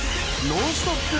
ノンストップ！